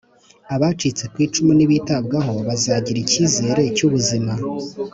Abacitse ku icumu nibitabwaho bazagira icyizere cy’ubuzima